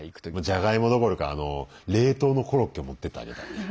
じゃがいもどころか冷凍のコロッケ持ってってあげたいね。